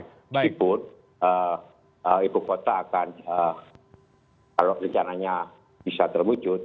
meskipun ibu kota akan kalau rencananya bisa terwujud